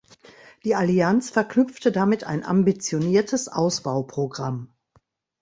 Die Allianz verknüpfte damit ein ambitioniertes Ausbauprogramm.